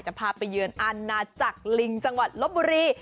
พาไปเยือนอาณาจักรลิงจังหวัดลบบุรี